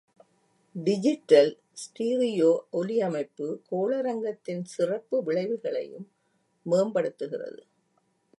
Digital stereo ஒலி அமைப்பு கோளரங்கத்தின் சிறப்பு விளைவுகளையும் மேம்படுத்துகிறது.